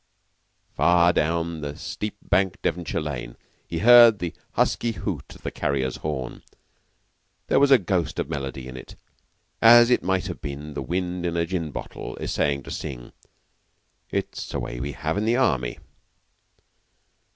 Far down the steep banked Devonshire lane he heard the husky hoot of the carrier's horn. There was a ghost of melody in it, as it might have been the wind in a gin bottle essaying to sing, "It's a way we have in the Army."